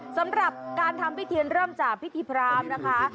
สำหรับการทำพิธีเริ่มจากพิธีพรามนะคะ